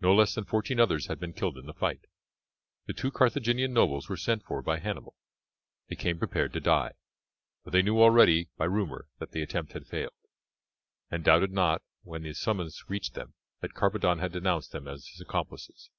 No less than fourteen others had been killed in the fight. The two Carthaginian nobles were sent for by Hannibal. They came prepared to die, for they knew already by rumour that the attempt had failed, and doubted not when the summons reached them that Carpadon had denounced them as his accomplices.